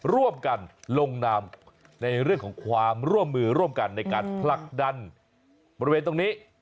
ร่วมกันลงนามในเรื่องของความร่วมมือร่วมกันในการผลักดันบริเวณตรงนี้